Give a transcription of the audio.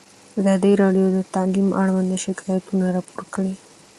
ازادي راډیو د تعلیم اړوند شکایتونه راپور کړي.